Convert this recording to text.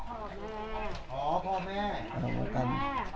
ก็สุดชัวร์จะเยี่ยมอยู่ทั้งเดียว